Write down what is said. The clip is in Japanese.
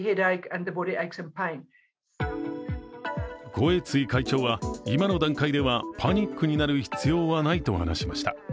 コエツィ会長は、今の段階ではパニックになる必要はないと話しました。